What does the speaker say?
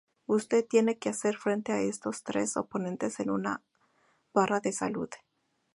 Usted tiene que hacer frente a estos tres oponentes con una barra de salud.